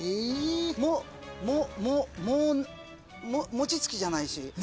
もちつきじゃないし。